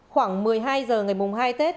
khoảng một mươi hai h ngày mùng hai tết